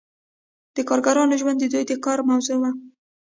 د کارګرانو ژوند د دوی د کار موضوع وه.